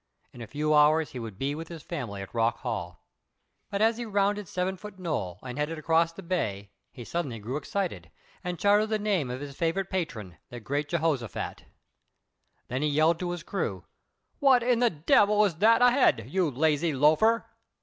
In a few hours he would be with his family at Rock Hall. But as he rounded Seven Foot Knoll and headed across the bay he suddenly grew excited, and shouted the name of his favorite patron, the great Jehoshaphat. Then he yelled to his crew: "What in the devil is that ahead, you lazy loafer?"